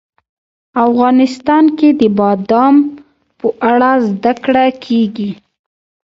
افغانستان کې د بادام په اړه زده کړه کېږي.